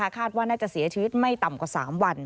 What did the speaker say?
คาดว่าน่าจะเสียชีวิตไม่ต่ำกว่า๓วัน